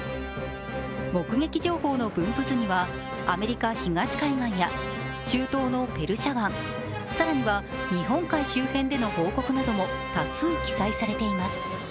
目撃情報の分布図にはアメリカ東海岸や中東のペルシャ湾、更には日本海周辺での報告も多数記載されています。